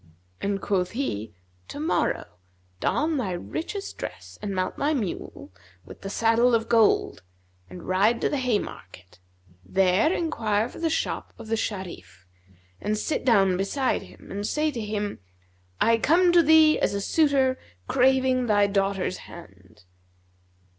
and quoth he, 'Tomorrow don thou thy richest dress and mount thy mule, with the saddle of gold and ride to the Haymarket. There enquire for the shop of the Sharif[FN#234] and sit down beside him and say to him, 'I come to thee as a suitor craving thy daughter's hand.'